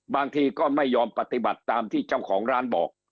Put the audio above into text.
บางทีก็ไม่ยอมปฏิบัติตามที่เจ้าของร้านบอก